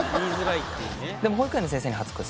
でも「保育園の先生に初恋」